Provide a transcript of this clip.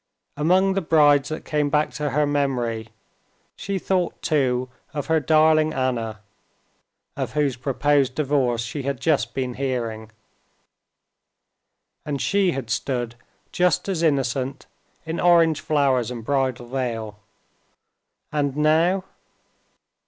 Among the brides that came back to her memory, she thought too of her darling Anna, of whose proposed divorce she had just been hearing. And she had stood just as innocent in orange flowers and bridal veil. And now?